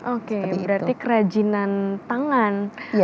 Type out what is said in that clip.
oke berarti kerajinan tangan